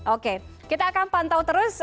oke kita akan pantau terus